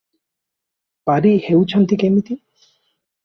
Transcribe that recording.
ପାରି ହେଉଛନ୍ତି କିମିତି?